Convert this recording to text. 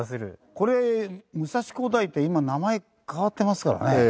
これ武蔵工大って今名前変わってますからね。